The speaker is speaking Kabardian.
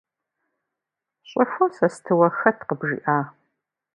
Щӏыхуэ сэ стыуэ хэт къыбжиӏа?